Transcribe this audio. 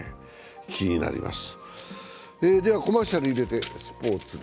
気になります。